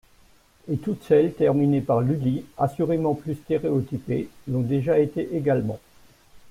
Et toutes celles terminées par Lully, assurément plus stéréotypées, l'ont déjà été également.